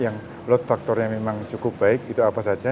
yang akap yang load factornya memang cukup baik itu apa saja